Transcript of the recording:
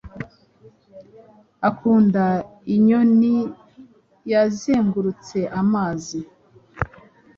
Ukunda inyoniyazengurutse amazi